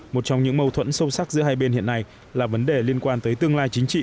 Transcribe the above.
một trong những mâu thuẫn sâu sắc giữa hai bên hiện nay là vấn đề liên quan tới tương lai chính trị